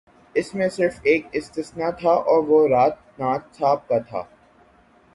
اس میں صرف ایک استثنا تھا اور وہ راج ناتھ صاحب کا تھا۔